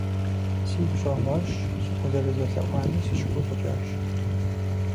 Сигу щӀэгъуащ, къызэрызэлъэӀуами сыщыгуфӀыкӀащ.